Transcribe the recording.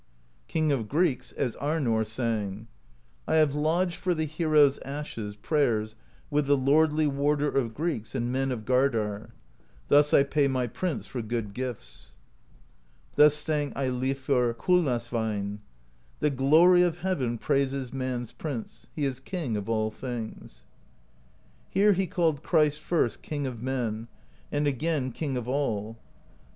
King of Greeks, as Arnorr sang: I have lodged for the hero's ashes Prayers with the Lordly Warder Of Greeks and men of Gardar: Thus I pay my Prince for good gifts. Thus sang Eilifr Kulnasveinn: The Glory of Heaven praises Man's Prince: He is King of all things. Here he called Christ, first. King of Men, and again, King of All.